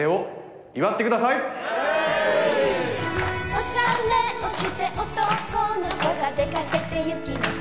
「おしゃれをして男の子が出かけて行きます」